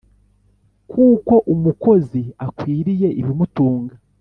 kuko umukozi akwiriye ibimutunga